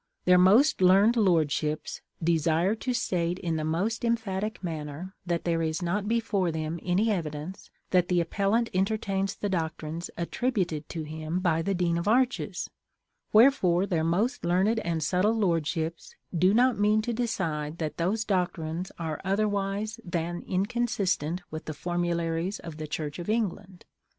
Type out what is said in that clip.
Their most learned lordships "_desire to state in the most emphatic manner that there is not before them any evidence that the appellant entertains the doctrines attributed to him by the Dean of Arches_;" wherefore their most learned and subtle lordships "do not mean to decide that those doctrines are otherwise than inconsistent with the formularies of the Church of England."